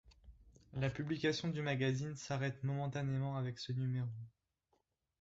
La publication du magazine s'arrête momentanément avec ce numéro.